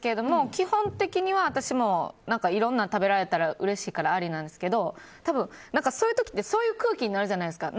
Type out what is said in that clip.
基本的には私もいろんなの食べられたらうれしいからありなんですけどそういう時ってそういう空気になるじゃないですか。